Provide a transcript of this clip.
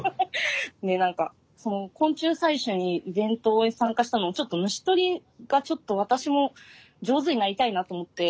で何かその昆虫採集にイベントに参加したのもちょっと虫捕りがちょっと私も上手になりたいなと思って。